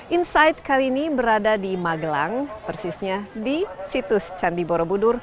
insight kali ini berada di magelang persisnya di situs candi borobudur